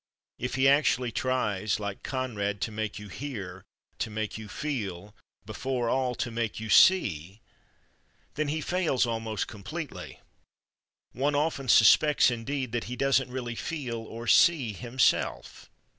If he actually tries, like Conrad, "to make you hear, to make you feel—before all, to make you see," then he fails almost completely. One often suspects, indeed, that he doesn't really feel or see himself....